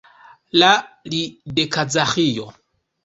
La li de Kazaĥio.